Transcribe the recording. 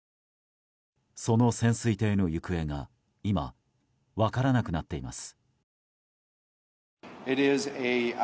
その潜水艇の行方が今、分からなくなっています。